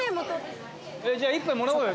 じゃあ１杯もらおうよ。